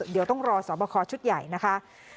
เดี๋ยวต้องรอสอบคอชุดใหญ่นะคะ